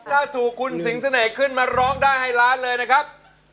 ถ้าถูกคุณสิงเสน่ห์ขึ้นมาร้องได้ให้ล้านเลยนะครับ